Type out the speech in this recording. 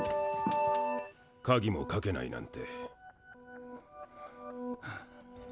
かぎもかけないなんて。